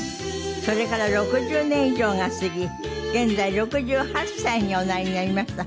それから６０年以上が過ぎ現在６８歳におなりになりました。